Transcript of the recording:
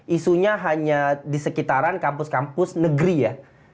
isunya hanya di sekitaran kampus kampus negeri ya